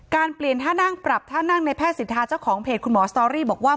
การเปลี่ยนท่านั่งปรับในแผ้สินทราเจ้าของเพจคุณหมอสตอรี่บอกว่า